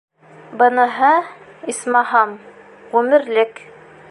Быныһы, исмаһам, ғүмерлек.